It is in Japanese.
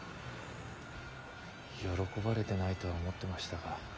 喜ばれてないとは思ってましたが。